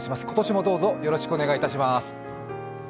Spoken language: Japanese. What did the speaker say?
今年もどうぞよろしくお願いします。